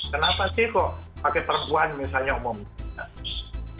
kenapa sih kok pakai perempuan misalnya umumnya